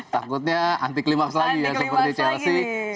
takutnya anti klimaks lagi ya seperti chelsea